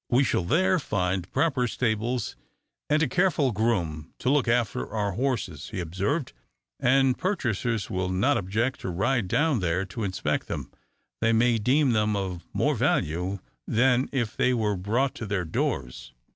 "We shall there find proper stables, and a careful groom to look after our horses," he observed; "and purchasers will not object to ride down there to inspect them they may deem them of more value than if they were brought to their doors."